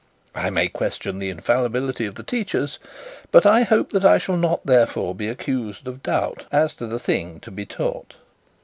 I may question the infallibility of the teachers, but I hope that I shall not therefore be accused of doubt as to the thing to be taught.